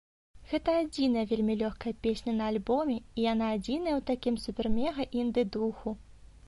Гэта адзіная вельмі лёгкая песня на альбоме, і яна адзіная ў такім супер-мега-інды духу.